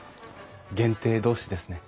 限定同士ですね。